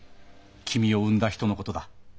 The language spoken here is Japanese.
君を産んだ人のことだ。